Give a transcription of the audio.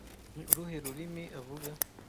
Ni uruhe rurimi avuga